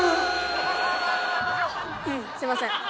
すいません。